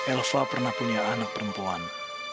elva pernah punya anak perempuan